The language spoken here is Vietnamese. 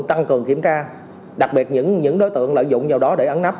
tăng cường kiểm tra đặc biệt những đối tượng lợi dụng vào đó để ấn nắ